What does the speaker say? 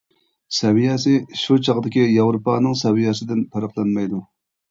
سەۋىيەسى شۇ چاغدىكى ياۋروپانىڭ سەۋىيەسىدىن پەرقلەنمەيدۇ.